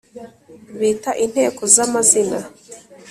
bita inteko za mazina